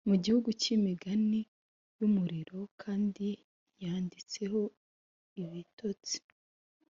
mu gihugu cyimigani yumuriro, kandi yanditseho ibitotsi,